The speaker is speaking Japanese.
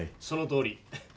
そのとおり。